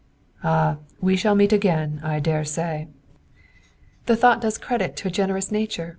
"Ah, we shall meet again, I dare say!" "The thought does credit to a generous nature!"